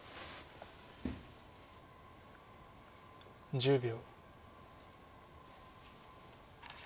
１０秒。